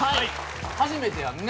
初めてやんね？